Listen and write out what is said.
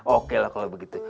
oke lah kalau begitu